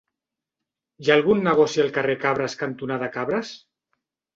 Hi ha algun negoci al carrer Cabres cantonada Cabres?